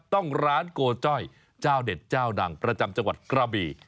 ต้องร้านโกจ้อยเจ้าเด็ดเจ้าดังประจำจังหวัดกระบี